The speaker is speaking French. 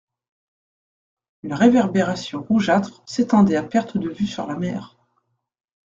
Une réverbération rougeâtre s'étendait à perte de vue sur la mer.